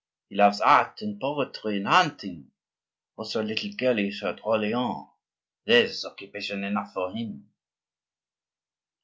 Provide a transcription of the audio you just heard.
He loves art and poetry and hunting, also a little girl he saw at Orleans; there's occupation enough for him."